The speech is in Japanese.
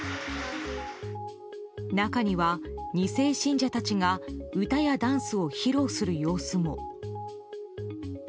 中には２世信者たちが歌やダンスを披露する様子も。